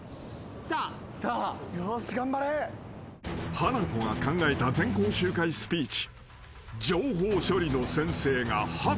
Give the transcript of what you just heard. ［ハナコが考えた全校集会スピーチ］